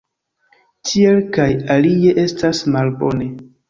Tiel kaj alie estas malbone.